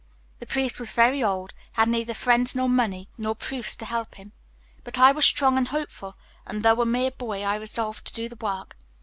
The priest was very old, had neither friends, money, nor proofs to help him; but I was strong and hopeful, and though a mere boy I resolved to do the work.